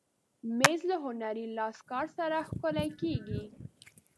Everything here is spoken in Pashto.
مېز له هنري لاسکار سره ښکلی کېږي.